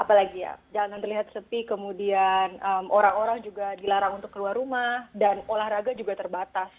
apalagi ya jalanan terlihat sepi kemudian orang orang juga dilarang untuk keluar rumah dan olahraga juga terbatas